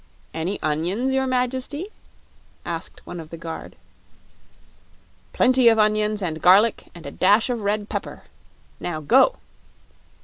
"Any onions, your Majesty?" asked one of the guard. "Plenty of onions and garlic and a dash of red pepper. Now, go!"